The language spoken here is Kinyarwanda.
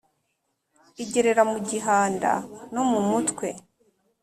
igerera mu gihanda no mumutwe ,